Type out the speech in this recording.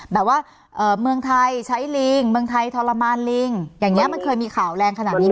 แบบว่าเมืองไทยใช้ลิงเมืองไทยทรมานลิงอย่างนี้มันเคยมีข่าวแรงขนาดนี้